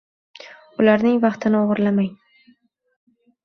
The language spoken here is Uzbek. Ularning vaqtini o‘g‘irlamang.